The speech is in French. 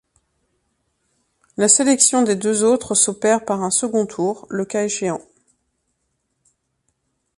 La sélection des deux autres s'opère par un second tour, le cas échéant.